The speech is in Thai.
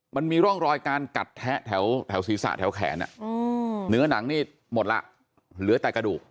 มันมีร่องรอยการกัดแทะแถวศีรษะแถวแขนเหนือหนังนี่หมดละเหลือแต่กระดูก